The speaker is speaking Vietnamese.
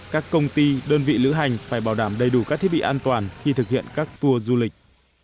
các công ty đơn vị lữ hành phải bảo đảm đầy đủ các thiết bị an toàn khi thực hiện các tour du lịch